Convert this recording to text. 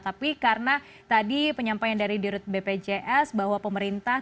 tapi karena tadi penyampaian dari dirut bpjs bahwa pemerintah